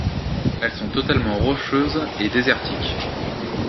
Elles sont totalement rocheuses et désertiques.